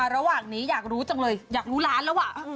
ระหว่างนี้อยากรู้จังเลยอยากรู้ร้านแล้วว่ะ